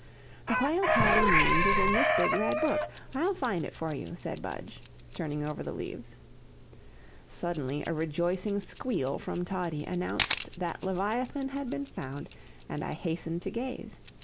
"The whale Toddie means is in this big red book, I'll find it for you," said Budge, turning over the leaves. Suddenly a rejoicing squeal from Toddie announced that leviathan had been found, and I hastened to gaze.